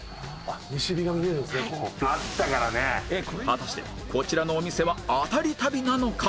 果たしてこちらのお店はアタリ旅なのか？